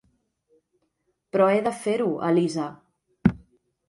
Però he de fer-ho, Elisa.